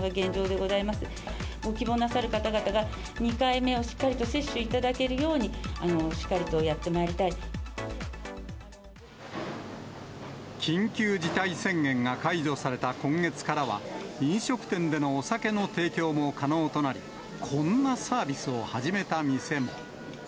ご希望なさる方々が２回目をしっかりと接種いただけるように、緊急事態宣言が解除された今月からは、飲食店でのお酒の提供も可能となり、こんなサービスを始めた店も。